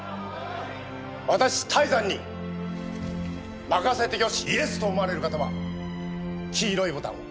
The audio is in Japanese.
「私泰山に任せてよしイエスと思われる方は黄色いボタンを」